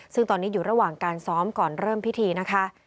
ซึ่งตอนนี้อยู่ระหว่างการซ้อมก่อนเริ่มพิธีนะคะ